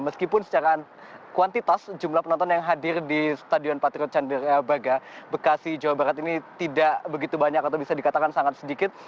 meskipun secara kuantitas jumlah penonton yang hadir di stadion patriot candra baga bekasi jawa barat ini tidak begitu banyak atau bisa dikatakan sangat sedikit